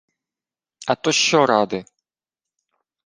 — А то що ради?